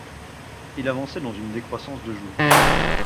Il avançait dans une décroissance de jour.